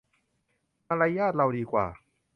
มารยาทเราดีกว่า